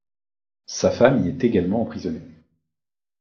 Sa femme y est également emprisonnée.